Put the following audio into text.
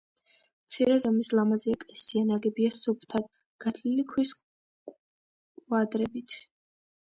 მცირე ზომის ლამაზი ეკლესია ნაგებია სუფთად გათლილი ქვის კვადრებით.